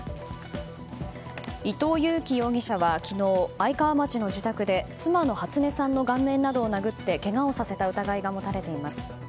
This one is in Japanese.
伊藤裕樹容疑者は昨日、愛川町の自宅で妻の初音さんの顔面などを殴ってけがをさせた疑いが持たれています。